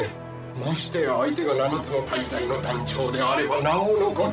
ましてや相手が七つの大罪の団長であればなおのこと。